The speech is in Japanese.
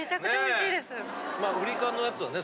ウリ科のやつはね